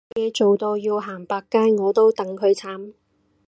冇嘢做到要行百佳我都戥佢慘